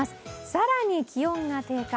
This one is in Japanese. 更に気温が低下